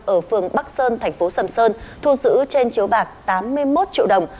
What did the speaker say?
ở phường bắc sơn thành phố sầm sơn thu giữ trên chiếu bạc tám mươi một triệu đồng